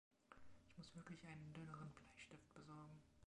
Ich muss wirklich einen dünneren Bleistift besorgen.